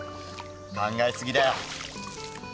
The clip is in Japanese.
考えすぎだよ。